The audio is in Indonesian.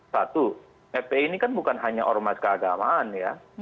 satu fpi ini kan bukan hanya ormas keagamaan ya